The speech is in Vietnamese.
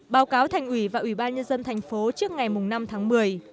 báo cáo thành ủy và ubnd tp trước ngày năm tháng một mươi